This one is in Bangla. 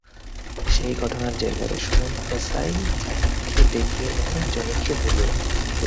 সেই ঘটনার জের ধরে সুমন এসআই জাহিদকে ডেকে এনে জনিকে ধরিয়ে দেন।